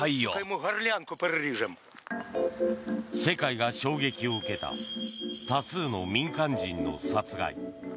世界が衝撃を受けた多数の民間人の殺害。